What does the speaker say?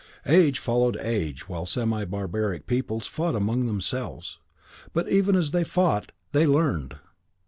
Age followed age while semi barbaric peoples fought among themselves. But even as they fought, they learned.